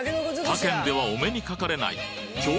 他県ではお目にかかれない京